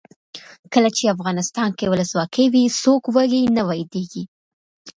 کله چې افغانستان کې ولسواکي وي څوک وږی نه ویدېږي.